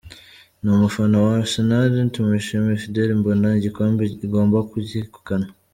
ni umufana wa arisenal tumushime fidele mbona igikombe igomba kukegukana?.